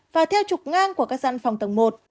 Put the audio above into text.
và theo trục ngang của các dân phòng tầng một